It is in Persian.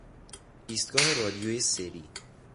ایستگاه رادیوی سری